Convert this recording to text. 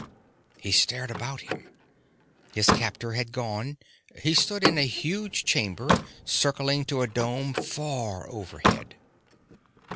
He stared about him. His captor had gone. He stood in a huge chamber circling to a dome far overhead.